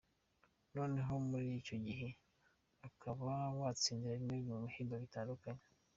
Noneho muri icyo gihe ukaba watsindira bimwe bihembo bitandukanye.